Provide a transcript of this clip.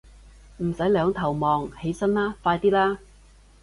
唔使兩頭望，起身啦，快啲啦